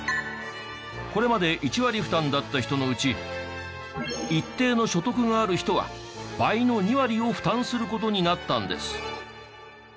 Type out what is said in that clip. これまで１割負担だった人のうち一定の所得がある人は倍の２割を負担する事になったんです。